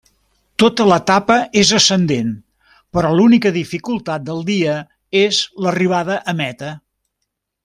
Tota l'etapa és ascendent, però l'única dificultat del dia és l'arribada a meta.